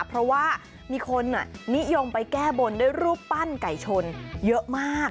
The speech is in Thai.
เพราะว่ามีคนนิยมไปแก้บนด้วยรูปปั้นไก่ชนเยอะมาก